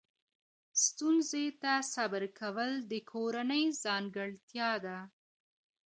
ستونزې ته صبر کول د کورنۍ ځانګړتیا ده.